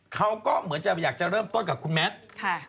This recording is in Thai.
เขาก็เหมือนจะอยากจะเริ่มต้นกับคุณแมท